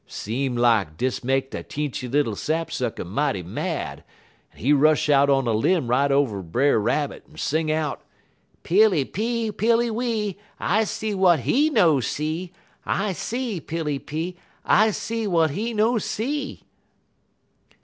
Seem lak dis make de teenchy little sap sucker mighty mad, en he rush out on a lim' right over Brer Rabbit, en he sing out: "'_Pilly pee, pilly wee! I see w'at he no see! I see, pilly pee, I see, w'at he no see!